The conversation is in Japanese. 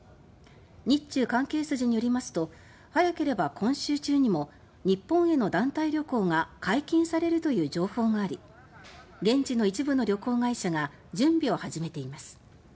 日中関係筋によりますと早ければ今週中にも日本への団体旅行が解禁されるという情報があり現地の一部の旅行会社が準備を始めています。